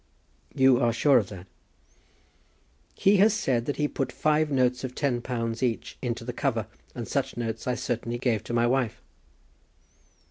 "You are sure of that?" "He has said that he put five notes of £10 each into the cover, and such notes I certainly gave to my wife."